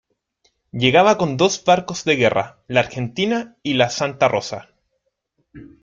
Llegaba con dos barcos de guerra: La Argentina y la Santa Rosa.